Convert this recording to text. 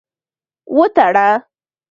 وتړه.